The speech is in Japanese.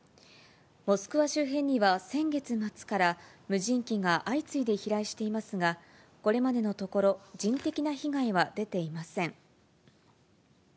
モスクワ周辺には先月末から無人機が相次いで飛来していますが、これまでのところ、人的な被害は出ていません。